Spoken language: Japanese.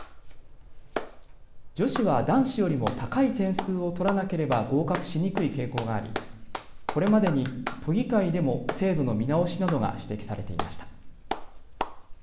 女子は男子よりも高い点数を取らなければ合格しにくい傾向がありこれまでに都議会でも制度の見直しなどが指摘されていました。